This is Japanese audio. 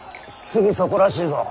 すぐそこらしいぞ。